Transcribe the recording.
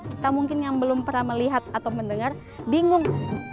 kita mungkin yang belum pernah melihat atau mendengar bingung